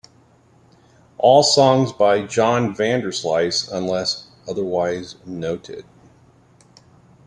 "All songs by John Vanderslice unless otherwise noted"